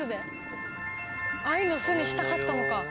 愛の巣にしたかったのか！